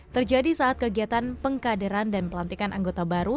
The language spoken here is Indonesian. terjadi saat kegiatan pengkaderan dan pelantikan anggota baru